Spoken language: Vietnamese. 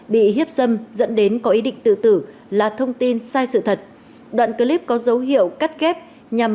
bị hiếp dâm dẫn đến có ý định tự tử là thông tin sai sự thật đoạn clip có dấu hiệu cắt kép nhằm